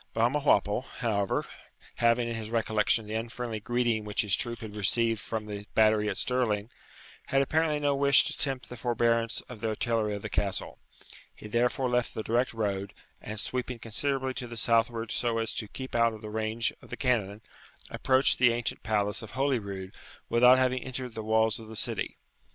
Balmawhapple, however, having in his recollection the unfriendly greeting which his troop had received from the battery at Stirling, had apparently no wish to tempt the forbearance of the artillery of the Castle. He therefore left the direct road, and, sweeping considerably to the southward so as to keep out of the range of the cannon, approached the ancient palace of Holyrood without having entered the walls of the city.